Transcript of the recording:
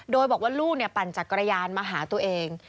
โดยบอกว่าลูกปั่นจักรยานมาหาตัวเอง